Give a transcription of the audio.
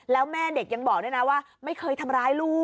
แล้วแม่เด็กยังบอกด้วยนะว่า